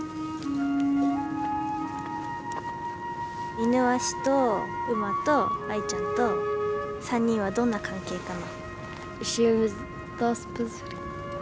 イヌワシと馬とアイちゃんと３人はどんな関係かな？